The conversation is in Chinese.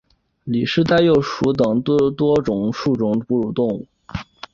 里氏袋鼬属等之数种哺乳动物。